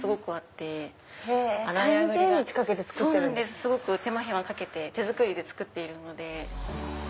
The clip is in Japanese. すごく手間暇かけて手作りで作っているので。